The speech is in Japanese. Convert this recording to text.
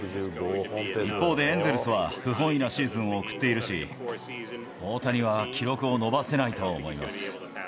一方でエンゼルスは不本意なシーズンを送っているし、大谷は記録を伸ばせないと思います。